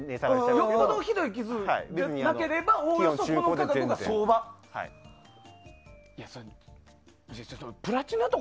よっぽどひどい傷がなければおおよそ、この価格が相場だと。